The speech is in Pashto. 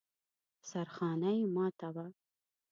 سرخانه يې ماته وه.